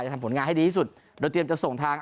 ทำผลงานให้ดีที่สุดโดยเตรียมจะส่งทาง